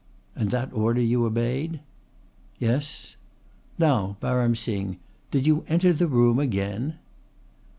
"And that order you obeyed?" "Yes." "Now, Baram Singh, did you enter the room again?"